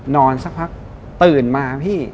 สักพักตื่นมาพี่